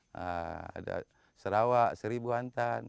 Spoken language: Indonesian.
serawak muskil random dan seribu antan